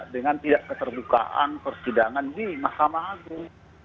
dengan tidak keterbukaan persidangan di mahkamah agung